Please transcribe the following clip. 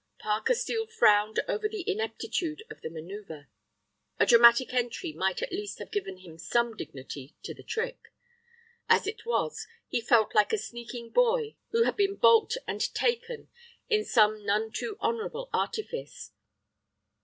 Parker Steel frowned over the ineptitude of the manœuvre. A dramatic entry might at least have given some dignity to the trick. As it was, he felt like a sneaking boy who had been balked and taken in some none too honorable artifice.